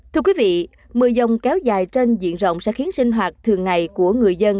thưa quý vị mưa dông kéo dài trên diện rộng sẽ khiến sinh hoạt thường ngày của người dân